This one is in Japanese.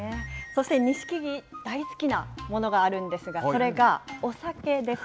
そして錦木、大好きなものがあるんですが、それがお酒です。